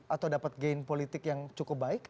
atau dapat gain politik yang cukup baik